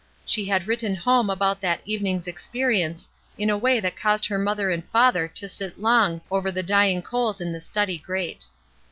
She had written home about that evening's experience in a way that caused her mother and father to sit long over the dying coals in the study grate.